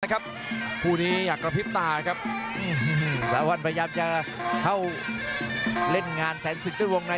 คู่นี้อยากกระพริบตาครับสาววันพยายามจะเข้าเล่นงานแสนศึกด้วยวงใน